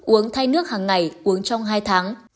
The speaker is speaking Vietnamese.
uống thay nước hằng ngày uống trong hai tháng